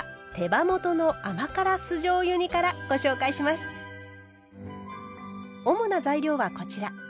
まずは主な材料はこちら。